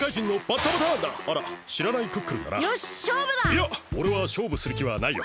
いやおれはしょうぶするきはないよ。